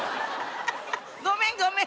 ごめんごめん。